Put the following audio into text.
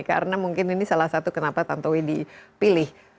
karena mungkin ini salah satu kenapa tanto wiyahya dipilih